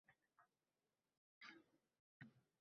Ulardan birontasi hozir tirikmi?